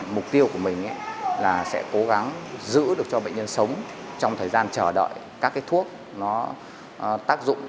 mục tiêu của mình là sẽ cố gắng giữ được cho bệnh nhân sống trong thời gian chờ đợi các cái thuốc nó tác dụng